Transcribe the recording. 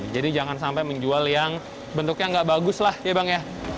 jadi jangan sampai menjual yang bentuknya nggak bagus lah ya bang